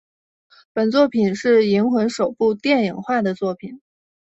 本作品是银魂首部电影化的作品。